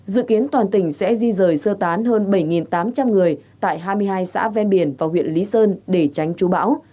dự kiến toàn tỉnh sẽ di rời sơ tán hơn bảy tám trăm linh người tại hai mươi hai xã ven biển và huyện lý sơn để tránh chú bão